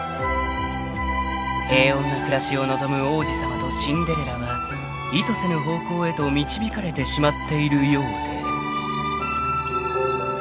［平穏な暮らしを望む王子様とシンデレラは意図せぬ方向へと導かれてしまっているようで］